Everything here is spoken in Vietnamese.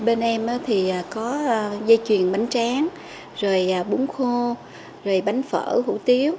bên em có dây chuyền bánh tráng bún khô bánh phở hủ tiếu